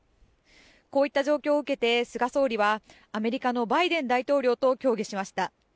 こういった状況を受けて菅総理はアメリカのバイデン大統領と協議しました。